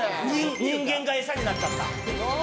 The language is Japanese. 人間が餌になっちゃった。